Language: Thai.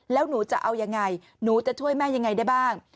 แล้วหนูจะเอายังไงหนูจะช่วยแม่ยังไงได้บ้าง